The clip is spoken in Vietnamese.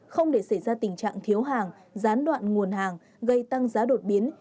không để xảy ra tình trạng thiếu hàng gián đoạn nguồn hàng gây tăng giá đột biến